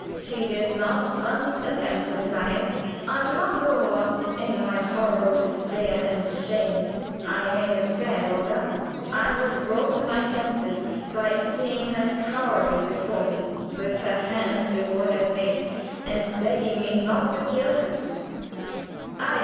She did not once attempt to deny it. I do not know what, in my horrible despair and shame, I may have said or done. "I was brought to my senses by seeing her cowering before me, with her hands before her face, and begging me not to kill her.